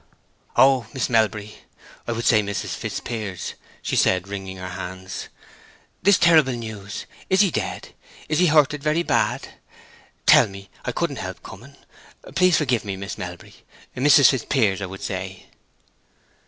"Oh, Miss Melbury—I would say Mrs. Fitzpiers," she said, wringing her hands. "This terrible news. Is he dead? Is he hurted very bad? Tell me; I couldn't help coming; please forgive me, Miss Melbury—Mrs. Fitzpiers I would say!"